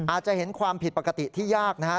อาจจะเห็นความผิดปกติที่ยากนะฮะ